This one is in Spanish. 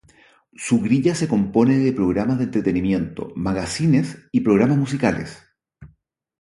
Su grilla se compone de programas de entretenimiento, magacines y programas musicales.